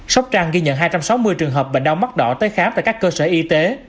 sóc trăng ghi nhận hai trăm sáu mươi trường hợp bệnh đau mắt đỏ tới khám tại các cơ sở y tế